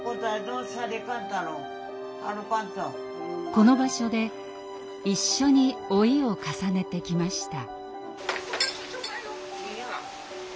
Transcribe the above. この場所で一緒に老いを重ねてきました。